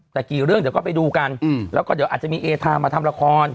แต่กี่เรื่องเดี๋ยวก็ไปดูกันแล้วก็เดี๋ยวอาจจะมีเอทามาทำละคร